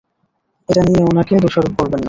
এটা নিয়ে উনাকে দোষারোপ করবেন না।